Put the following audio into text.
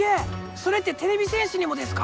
それっててれび戦士にもですか？